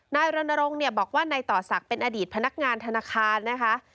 รณรงค์เนี่ยบอกว่านายต่อศักดิ์เป็นอดีตพนักงานธนาคารนะคะ